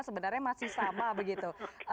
sebenarnya masih sama begitu